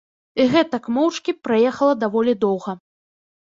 І гэтак моўчкі праехала даволі доўга.